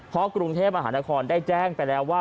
เพราะกรุงเทพมหานครได้แจ้งไปแล้วว่า